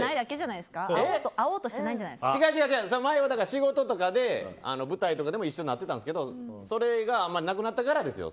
違う、前は仕事で舞台とかでも一緒になってたんですけどそれがあんまりなくなったからですよ。